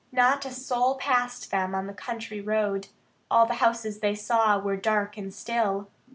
Not a soul passed them on the country road. All the houses they saw were dark and still.